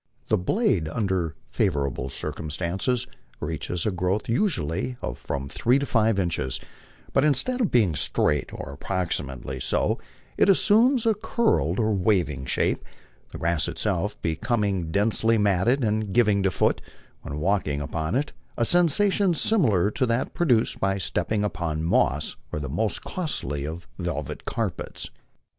The blade under favorable circumstances reaches a growth usually of from three to five inches, but instead of being straight, or approximately so, it assumes a curled or wav ing shape, the grass itself becoming densely matted, and giving to the foot, when walking upon it, a sensation similar to that produced by stepping upon moss or the most costly of velvet carpets.